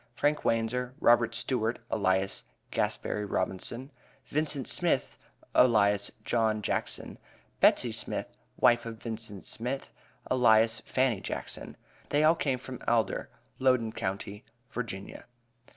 Frank Wanzer, Robert Stewart, alias Gasberry Robison, Vincent Smith, alias John Jackson, Betsey Smith, wife of Vincent Smith, alias Fanny Jackson. They all came from Alder, Loudon county, Virginia."